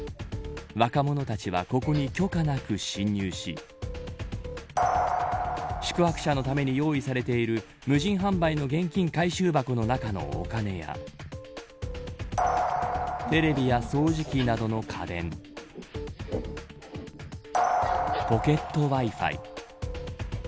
若者たちは、ここに許可なく侵入し宿泊者のために用意されている無人販売の現金回収箱の中のお金やテレビや掃除機などの家電ポケットＷｉ−Ｆｉ